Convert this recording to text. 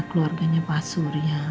keluarganya pak surya